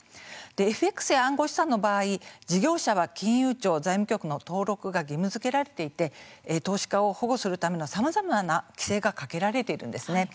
ＦＸや暗号資産の場合事業者は金融庁、財務局の登録が義務づけられていて投資家を保護するためのさまざまな規制がかけられているんですね。